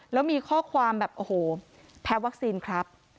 แล้วมีข้อความแบบโอ้โหแพ้วัคซีนครับ